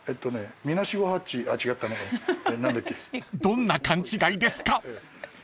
［どんな勘違いですか？］